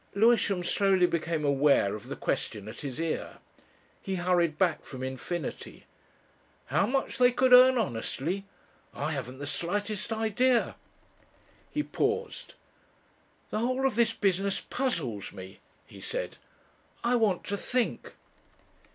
Lewisham slowly became aware of the question at his ear. He hurried back from infinity. "How much they could earn honestly? I haven't the slightest idea." He paused. "The whole of this business puzzles me," he said. "I want to think."